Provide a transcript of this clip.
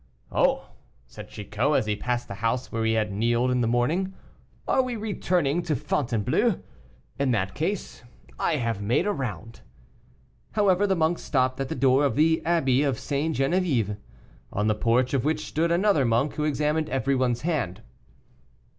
"Oh!" said Chicot, as he passed the house where he had kneeled in the morning, "are we returning to Fontainebleau? In that case I have made a round." However, the monks stopped at the door of the Abbey of St. Geneviève, in the porch of which stood another monk, who examined everyone's hand.